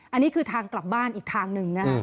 อันนี้คือทางกลับบ้านอีกทางหนึ่งนะฮะ